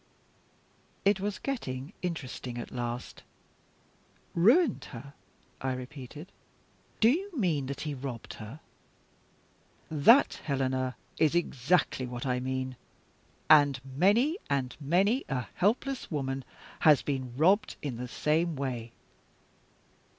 It was getting interesting at last. "Ruined her?" I repeated. "Do you mean that he robbed her?" "That, Helena, is exactly what I mean and many and many a helpless woman has been robbed in the same way.